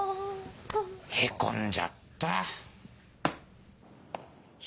へこんじゃった。